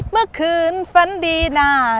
เมื่อคืนฝันดีนะ